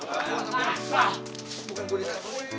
bukan gue yang disana